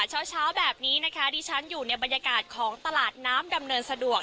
เช้าแบบนี้นะคะดิฉันอยู่ในบรรยากาศของตลาดน้ำดำเนินสะดวก